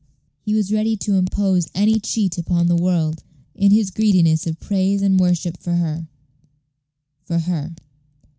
He was ready to impose any cheat upon the world, in his greediness of praise and worship for her for her.